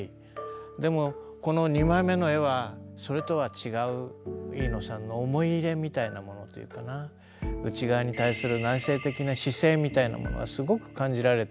でもこの２枚目の絵はそれとは違う飯野さんの思い入れみたいなものというかな内側に対する内省的な姿勢みたいなものがすごく感じられて。